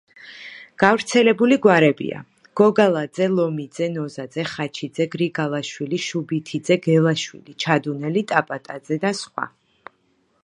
გავრცელებული გვარებია: გოგალაძე, ლომიძე, ნოზაძე, ხაჩიძე, გრიგალაშვილი, შუბითიძე, გელაშვილი, ჩადუნელი, ტაბატაძე და სხვა.